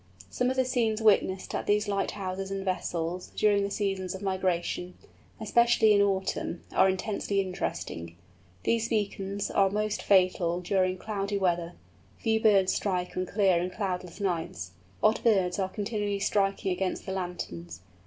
Some of the scenes witnessed at these light houses and vessels, during the seasons of migration—especially in autumn—are intensely interesting. These beacons are most fatal during cloudy weather; few birds strike on clear and cloudless nights. Odd birds are continually striking against the lanterns.